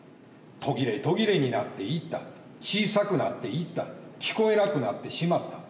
途切れ途切れになっていった小さくなっていった聞こえなくなってしまった。